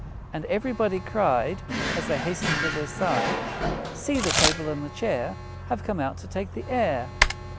And everybody cried, As they hastened to their side, 'See, the Table and the Chair Have come out to take the air!'